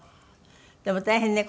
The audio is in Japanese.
でも大変ね。